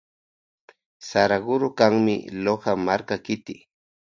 Saraguro kanmi Loja markapa kiti.